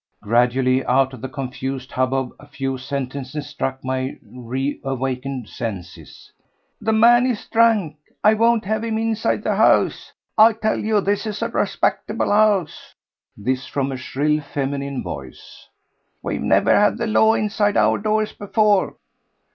Gradually out of the confused hubbub a few sentences struck my reawakened senses. "The man is drunk." "I won't have him inside the house." "I tell you this is a respectable house." This from a shrill feminine voice. "We've never had the law inside our doors before."